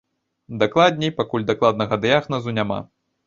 Дакладней, пакуль дакладнага дыягназу няма.